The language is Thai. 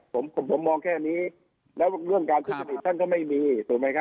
ผมมองแค่นี้เรื่องการขึ้นภาพอีกท่านก็ไม่มี